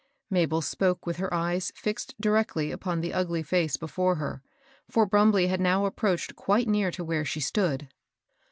Mabel spoke with her eye fixed directly upon the ugly fece before her ; for Brumbley had now approached quite near to where she stood.